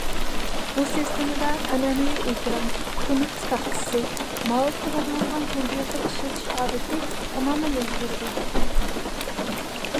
بۇ سىستېمىدا ئەنئەنىۋى ئېكران، كۇنۇپكا تاختىسى، مائۇسقا باغلانغان كومپيۇتېر ئىشلىتىش ئادىتى تامامەن ئۆزگىرىدۇ.